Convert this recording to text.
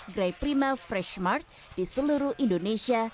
enam ratus grey prima fresh smart di seluruh indonesia